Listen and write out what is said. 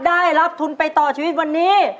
ได้รับทุนไปต่อชีวิตวันนี้